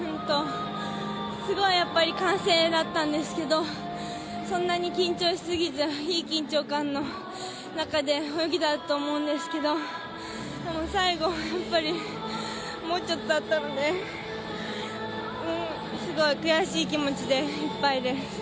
すごい歓声だったんですけど、そんなに緊張しすぎずいい緊張感の中で泳げたと思うんですけれども、最後もうちょっとだったので、すごい悔しい気持ちでいっぱいです。